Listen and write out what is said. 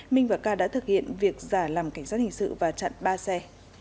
minh và k đã thực hiện việc giả làm cảnh sát hình sự và chặn ba xe